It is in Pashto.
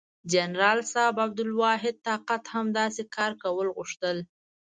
جنرال صاحب عبدالواحد طاقت هم داسې کار کول غوښتل.